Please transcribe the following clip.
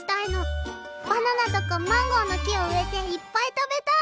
バナナとかマンゴーの木を植えていっぱい食べたい！